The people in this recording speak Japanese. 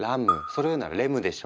それを言うならレムでしょ。